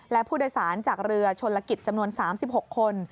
และผู้โดยสารจากเรือชนลกิจจำนวน๓๖คน